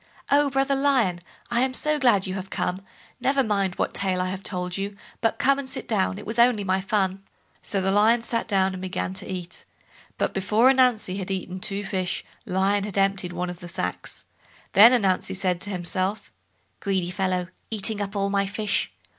"Oh! brother Lion, I am so glad you have come; never mind what tale I have told you, but come and sit down—it was only my fun." So Lion sat down and began to eat; but before Ananzi had eaten two fish, Lion had emptied one of the sacks. Then said Ananzi to himself: "Greedy fellow, eating up all my fish."